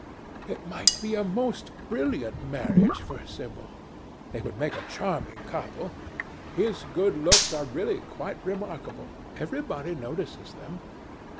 It might be a most brilliant marriage for Sibyl. They would make a charming couple. His good looks are really quite remarkable; everybody notices them."